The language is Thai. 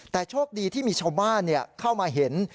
แต่โชคดีที่มีชาวบ้านเข้ามาเห็น